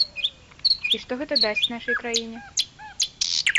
І што гэта дасць нашай краіне?